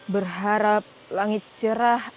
berharap langit cerah akan berhenti